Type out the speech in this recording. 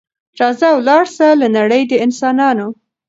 راځه ولاړ سه له نړۍ د انسانانو